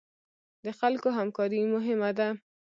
د خلکو همکاري مهمه ده